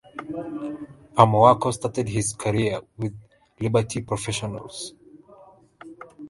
Amoako started his career with Liberty Professionals.